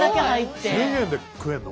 １，０００円で食えるの？